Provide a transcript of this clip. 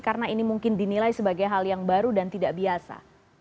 karena ini mungkin dinilai sebagai hal yang baru dan tidak biasa